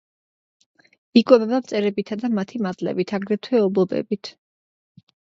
იკვებება მწერებითა და მათი მატლებით, აგრეთვე ობობებით.